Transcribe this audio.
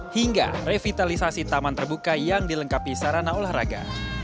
hingga revitalisasi taman terbuka yang dilengkapi sarana olahraga